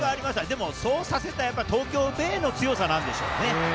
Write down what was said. でも、そうさせた東京ベイの強さなんでしょうね。